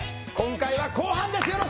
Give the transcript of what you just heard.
今回は後半です。